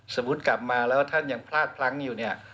สมมุติกลับมาแล้วท่านยังพลาดพลั้งอยู่เนี่ย